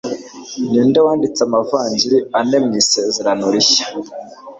Ninde wanditse amavanjiri ane mu Isezerano Rishya?